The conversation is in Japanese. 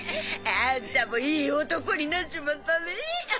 あんたもいい男になっちまったねぇ。